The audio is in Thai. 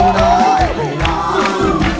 ได้